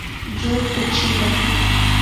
Jun Uchida